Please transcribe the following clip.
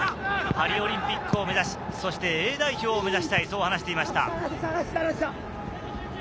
パリオリンピックを目指し、Ａ代表を目指したい、そう話していました。